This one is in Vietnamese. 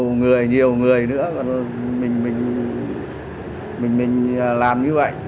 nhiều người nhiều người nữa mình làm như vậy